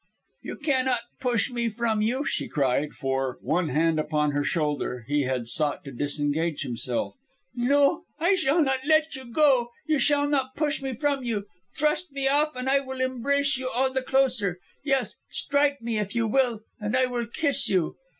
"You cannot push me from you," she cried, for, one hand upon her shoulder, he had sought to disengage himself. "No, I shall not let you go. You shall not push me from you! Thrust me off and I will embrace you all the closer. Yes, strike me if you will, and I will kiss you."